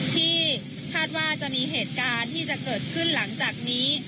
ที่คาดว่าจะมีเหตุการณ์ที่จะเกิดขึ้นหลังจากนี้